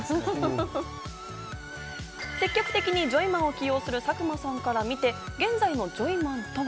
積極的にジョイマンを起用する佐久間さんから見て、現在のジョイマンとは。